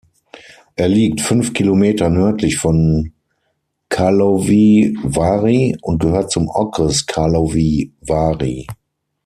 Er liegt fünf Kilometer nördlich von Karlovy Vary und gehört zum Okres Karlovy Vary.